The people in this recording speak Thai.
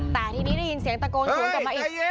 แต่ทีนี้ได้ยินเสียงตะโกนสวนกลับมาอีก